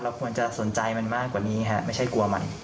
ควรจะสนใจมันมากกว่านี้ฮะไม่ใช่กลัวมัน